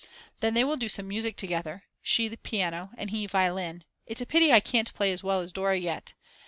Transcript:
Then they will do some music together, she piano and he violin; it's a pity I can't play as well as Dora yet.